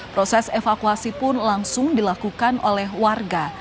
proses evakuasi pun langsung dilakukan oleh warga